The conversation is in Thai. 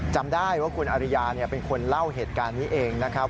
จำได้ว่าคุณอริยาเป็นคนเล่าเหตุการณ์นี้เองนะครับ